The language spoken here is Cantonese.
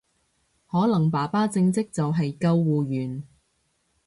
可能爸爸正職就係救護員